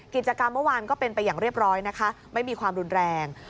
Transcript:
กิจกรรมเมื่อวานก็เป็นไปอย่างเรียบร้อยนะคะไม่มีความรุนแรง